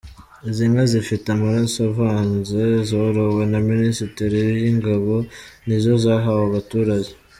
Izi nka zifite amaraso avanze zarowe na Minisiteri y’ingabo nizo zahawe abaturage.